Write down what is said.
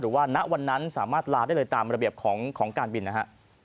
ณวันนั้นสามารถลาได้เลยตามระเบียบของการบินนะฮะ